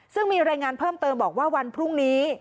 ซึ่งมีรายงานเพิ่มเติมบอกว่าวันพรุ่งนี้